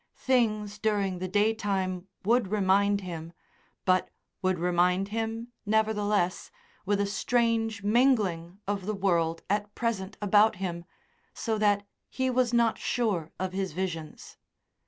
Things during the day time would remind him, but would remind him, nevertheless, with a strange mingling of the world at present about him, so that he was not sure of his visions.